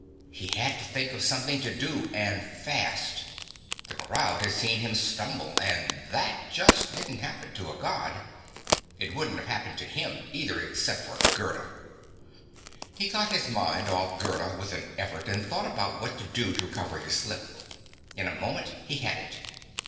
He had to think of something to do, and fast. The crowd had seen him stumble and that just didn't happen to a God. It wouldn't have happened to him, either except for Gerda. He got his mind off Gerda with an effort and thought about what to do to cover his slip. In a moment he had it.